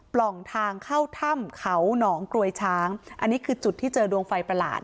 ร่องทางเข้าถ้ำเขาหนองกรวยช้างอันนี้คือจุดที่เจอดวงไฟประหลาด